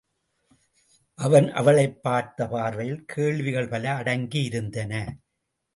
அவன் அவளைப் பார்த்த பார்வையில் கேள்விகள் பல அடங்கி இருந்தன.